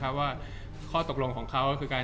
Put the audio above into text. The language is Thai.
จากความไม่เข้าจันทร์ของผู้ใหญ่ของพ่อกับแม่